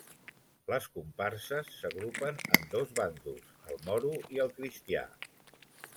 Les comparses s'agrupen en dos bàndols, el moro i el cristià.